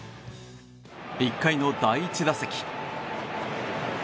１回の第１打席。